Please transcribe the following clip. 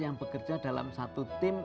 yang bekerja dalam satu tim